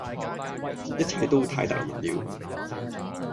一切都太突然了